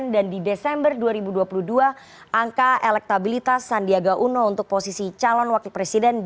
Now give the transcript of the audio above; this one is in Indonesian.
dan di desember dua ribu dua puluh dua angka elektabilitas sandiaga uno untuk posisi calon wakil presiden